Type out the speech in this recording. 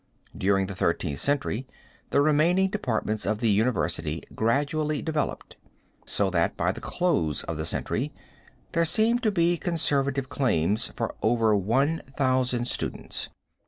During the Thirteenth Century the remaining departments of the university gradually developed, so that by the close of the century, there seem to be conservative claims for over one thousand students.